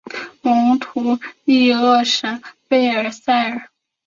蒙图利厄圣贝尔纳尔。